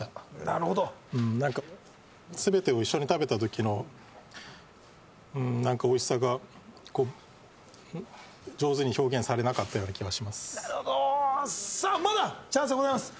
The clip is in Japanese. なるほどなんか全てを一緒に食べたときのうーんなんかおいしさが上手に表現されなかったような気はしますなるほどさあまだチャンスはございます